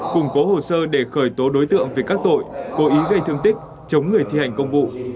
củng cố hồ sơ để khởi tố đối tượng về các tội cố ý gây thương tích chống người thi hành công vụ